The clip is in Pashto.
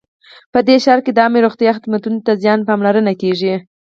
په دې ښار کې د عامه روغتیا خدمتونو ته زیاته پاملرنه کیږي